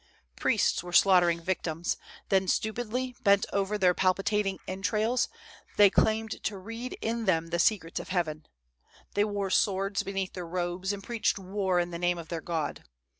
" Priests were slaughtering victims ; then, stupidly bent over their palpitating entrails, they claimed to read in them the secrets of heaven. They wore swords beneath their robes and preached war in the name of their god.